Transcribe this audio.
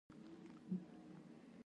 قدرت څنګه له تاوتریخوالي پرته سقوط کوي؟